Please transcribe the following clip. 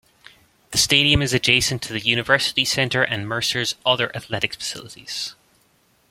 The stadium is adjacent to the University Center and Mercer's other athletic facilities.